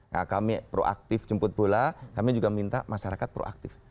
nah kami proaktif jemput bola kami juga minta masyarakat proaktif